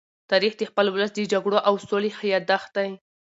تاریخ د خپل ولس د جګړو او سولې يادښت دی.